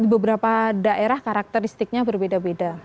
di beberapa daerah karakteristiknya berbeda beda